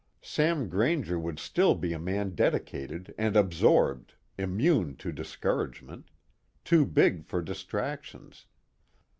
Sam Grainger would still be a man dedicated and absorbed, immune to discouragement, too big for distractions.